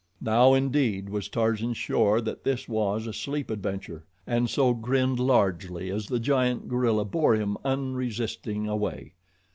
Now, indeed, was Tarzan sure that this was a sleep adventure, and so grinned largely as the giant gorilla bore him, unresisting, away.